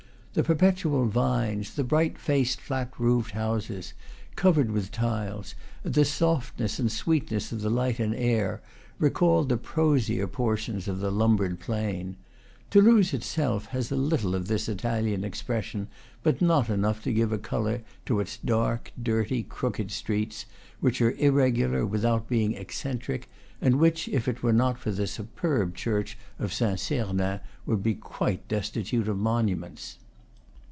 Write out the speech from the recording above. The perpetual vines, the bright faced flat roofed houses, covered with tiles, the softness and sweetness of the light and air, recalled the prosier portions of the Lombard plain. Toulouse itself has a little of this Italian expression, but not enough to give a color to its dark, dirty, crooked streets, which are irregular without being eccentric, and which, if it were not for the, superb church of Saint Sernin, would be quite destitute of monuments.